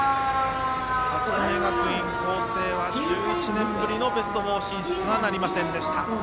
八戸学院光星は１１年ぶりのベスト４進出はなりませんでした。